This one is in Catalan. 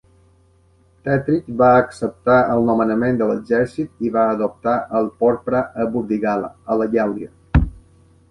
Tètric va acceptar el nomenament de l'exèrcit i va adoptar el porpra a Burdigala, a la Gàl·lia.